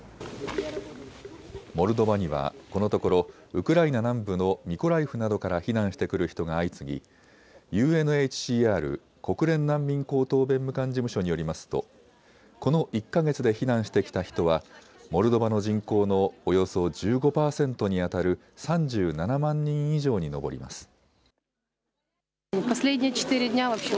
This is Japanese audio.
モルドバにはこのところウクライナ南部のミコライフなどから避難してくる人が相次ぎＵＮＨＣＲ・国連難民高等弁務官事務所によりますとこの１か月で避難してきた人はモルドバの人口のおよそ１５％にあたる３７万人以上に上ります。